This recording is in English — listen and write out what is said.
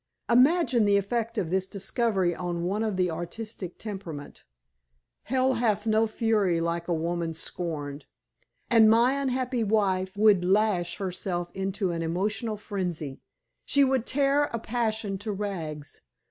Imagine the effect of this discovery on one of the artistic temperament. 'Hell hath no fury like a woman scorned,' and my unhappy wife would lash herself into an emotional frenzy. She would tear a passion to rags.